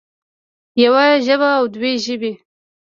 يوه ژبه او دوه ژبې